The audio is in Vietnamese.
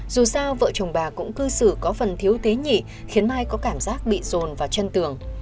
dù sao vợ chồng bà cũng cư xử có phần thiếu tế nhị khiến mai có cảm giác bị rồn vào chân tường